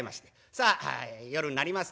さあ夜になります